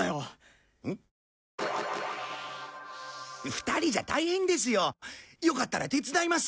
２人じゃ大変ですよよかったら手伝います。